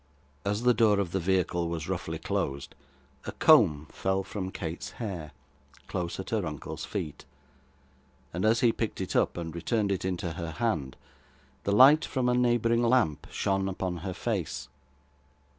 As the door of the vehicle was roughly closed, a comb fell from Kate's hair, close at her uncle's feet; and as he picked it up, and returned it into her hand, the light from a neighbouring lamp shone upon her face.